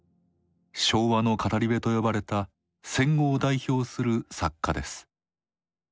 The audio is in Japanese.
「昭和の語り部」と呼ばれた戦後を代表する作家です。